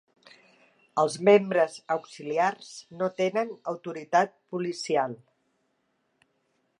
Els membres auxiliars no tenen autoritat policial.